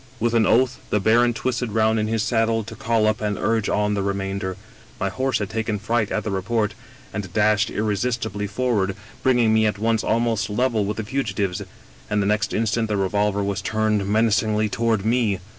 " With an oath the baron twisted round in his saddle to call up and urge on the remainder. My horse had taken fright at the report and dashed irresistibly forward, bring ing me at once almost level with the fugitives, and the next instant the revolver was turned menacingly toward me.